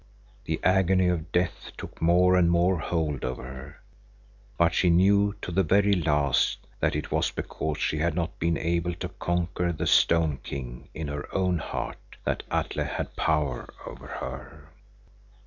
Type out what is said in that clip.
The agony of death took more and more hold of her, but she knew to the very last that it was because she had not been able to conquer the stone king in her own heart that Atle had power over her.